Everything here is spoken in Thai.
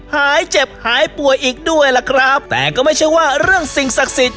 หายเจ็บหายป่วยอีกด้วยล่ะครับแต่ก็ไม่ใช่ว่าเรื่องสิ่งศักดิ์สิทธิ